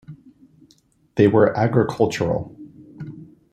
They were agricultural.